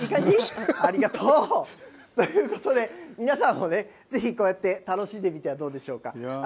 ありがとう。ということで、皆さんもね、ぜひ、こうやって楽しんでみてはどうでしょうか。